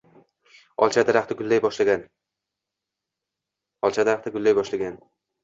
Olcha daraxti gullay boshlagan.